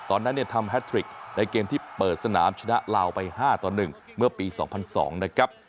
ตอนนั้นเนี่ยทำแฮทริกในเกมที่เปิดสนามชนะลาวไป๕ต่อ๑เมื่อปี๒๐๐๒นะครับ